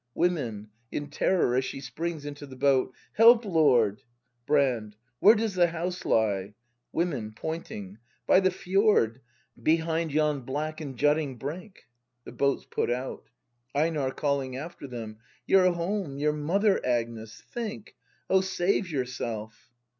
Women. [In terror as she springs into the hoat^ Help, Lord! Brand. Where does the house lie ? Women. [Pointing i\ By the fjord. Behind yon black and jutting brink! [The boats put out. Einar. [Calling after them.] Your home, your mother, Agnes! Think! O save yourself!